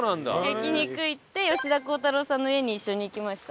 焼き肉行って吉田鋼太郎さんの家に一緒に行きました。